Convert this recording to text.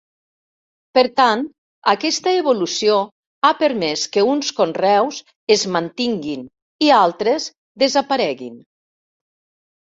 Per tant aquesta evolució ha permès que uns conreus es mantinguin i altres desapareguin.